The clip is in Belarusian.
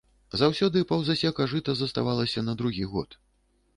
Заўсёды паўзасека жыта заставалася на другi год...